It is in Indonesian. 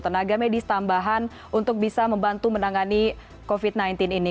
tenaga medis tambahan untuk bisa membantu menangani covid sembilan belas ini